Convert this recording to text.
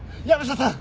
藪下さん